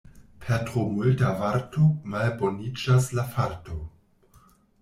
Per tro multa varto malboniĝas la farto.